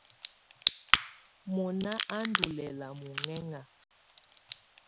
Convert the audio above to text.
Mɔ̀na á ndù lɛ̀la mɔ̀ŋɛ̀ŋa.